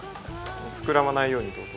膨らまないようにって事？